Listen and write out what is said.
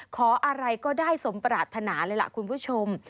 ขออะไรก็ได้สมปรารถนาเลยล่ะคุณผู้ชม